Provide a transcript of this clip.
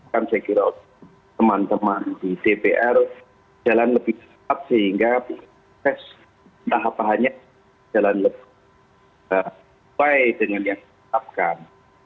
kan saya kira teman teman di dpr jalan lebih cepat sehingga proses tahapannya jalan lebih baik dengan yang ditetapkan